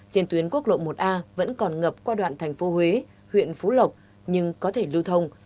trên tuyến quốc lộ một a vẫn còn ngập qua đoạn thành phố huế huyện phú lộc nhưng có thể lưu thông